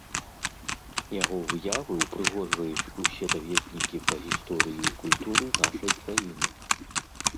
Яго выявы ўпрыгожваюць усе даведнікі па гісторыі і культуры нашай краіны.